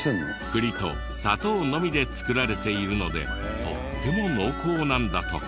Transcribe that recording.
栗と砂糖のみで作られているのでとっても濃厚なんだとか。